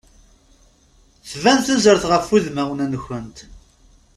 Tban tuzert ɣef udmawen-nkent.